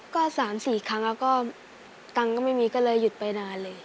ก็๓๔ครั้งแล้วก็ตังค์ก็ไม่มีก็เลยหยุดไปนานเลย